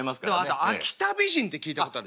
あと秋田美人って聞いたこと。